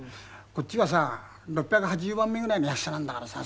こっちはさ６８０番目ぐらいの役者なんだからさ